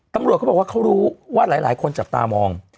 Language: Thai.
ตำรวจเขาบอกว่าเขารู้ว่าหลายคนจับตามอง